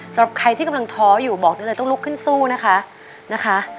สำหรับใครที่กำลังท้ออยู่บอกได้เลยต้องลุกขึ้นสู้นะคะนะคะ